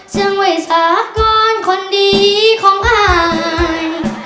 เสียงไว้สาก่อนคนดีของอาย